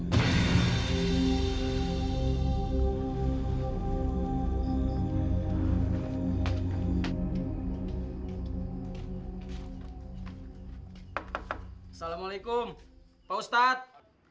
assalamu'alaikum pak ustadz